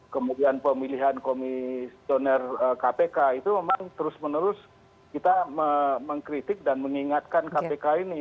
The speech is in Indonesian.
kemudian pemilihan komisioner kpk itu memang terus menerus kita mengkritik dan mengingatkan kpk ini